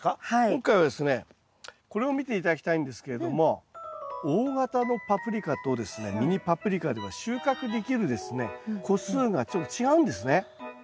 今回はですねこれを見て頂きたいんですけれども大型のパプリカとですねミニパプリカでは収穫できるですね個数がちょっと違うんですね。